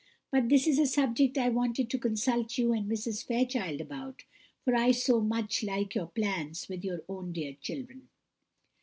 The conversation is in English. But this is a subject I wanted to consult you and Mrs. Fairchild about, for I so much like your plans with your own dear children."